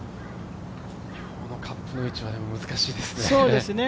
今日のカップの位置は難しいですね。